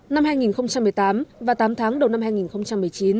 năm hai nghìn một mươi tám và tám tháng đầu năm hai nghìn một mươi chín